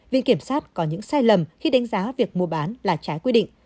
viện kiểm sát có những sai lầm khi đánh giá việc mua bán là trái quy định